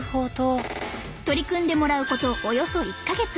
取り組んでもらうことおよそ１か月。